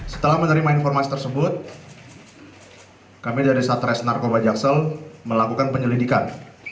setelah menerima informasi tersebut kami dari satres narkoba jaksel melakukan penyelidikan